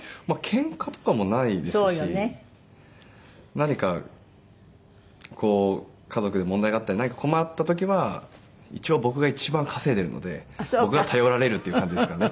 何かこう家族で問題があったり何か困った時は一応僕が一番稼いでるので僕が頼られるっていう感じですかね。